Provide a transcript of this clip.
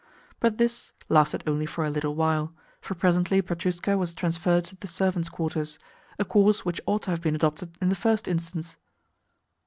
But this lasted only for a little while, for presently Petrushka was transferred to the servants' quarters, a course which ought to have been adopted in the first instance.